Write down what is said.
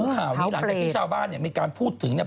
เนี่ยเจ้าบ้านมีการพูดถึง